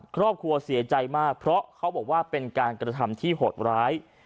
ครอบครัวเสียใจมากเพราะเป็นการกระทำที่หดร้าย